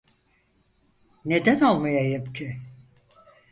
Neden olmayayım ki?